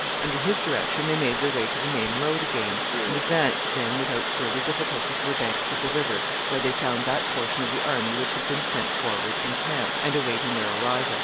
Under his direction they made their way to the main road again, and advanced then without further difficulty to the banks of the river, where they found that portion of the army which had been sent forward encamped, and awaiting their arrival.